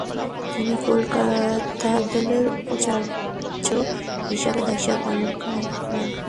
তিনি কলকাতা বিশ্ববিদ্যালয়ের উপাচার্য হিসেবে দায়িত্ব পালন করেন।